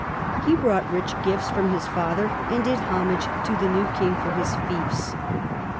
He brought rich gifts from his father, and did homage to the new king for his fiefs.